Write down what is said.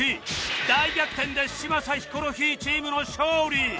大逆転で嶋佐ヒコロヒーチームの勝利！